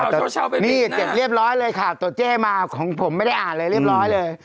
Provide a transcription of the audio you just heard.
นี่เจ็บเรียบร้อยเลยค่ะตัวเจ๊มาของผมไม่ได้อ่านเลยเรียบร้อยเลย